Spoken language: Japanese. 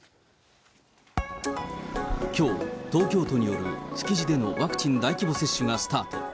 きょう、東京都による築地でのワクチン大規模接種がスタート。